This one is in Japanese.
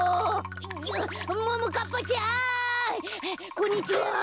こんにちは。